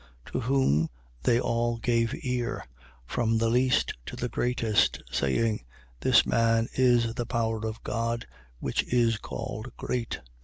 To whom they all gave ear, from the least to the greatest, saying: This man is the power of God, which is called great.